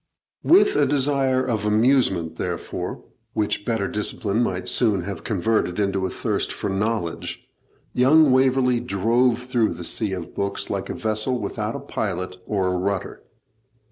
With a desire of amusement, therefore, which better discipline might soon have converted into a thirst for knowledge, young Waverley drove through the sea of books like a vessel without a pilot or a rudder.